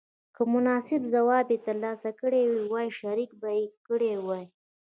که مناسب ځواب یې تر لاسه کړی وای شریک به یې کړی وای.